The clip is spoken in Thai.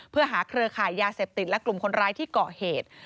เพื่อหาเครือข่ายยาเสพติดและกลุ่มคนร้ายที่เกาะเหตุ